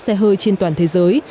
xe hơi trên toàn thế giới